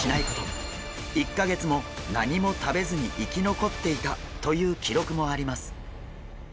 １か月も何も食べずに生き残っていたという記録もあります。